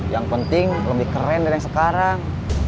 yang penting lebih keren dari yang sekarang